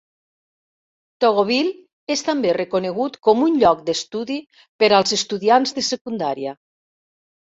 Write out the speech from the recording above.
Togoville és també reconegut com un lloc d'estudi per als estudiants de secundària.